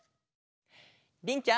りんちゃん。